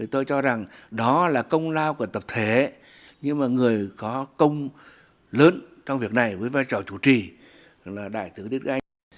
tôi cho rằng đó là công lao của tập thể nhưng mà người có công lớn trong việc này với vai trò chủ trì là đại tướng đức anh